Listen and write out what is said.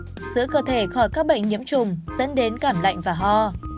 giữa cơ thể khỏi các bệnh nhiễm trùng dẫn đến cảm lạnh và ho